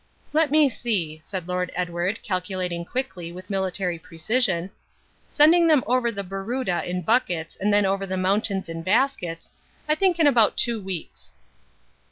"Let me see," said Lord Edward, calculating quickly, with military precision, "sending them over the Barooda in buckets and then over the mountains in baskets I think in about two weeks."